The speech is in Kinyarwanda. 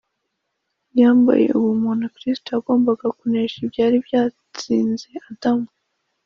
. Yambaye ubumuntu, Kristo yagombaga kunesha ibyari byatsinze Adamu